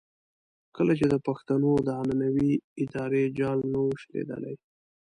کله چې د پښتنو د عنعنوي ادارې جال نه وو شلېدلی.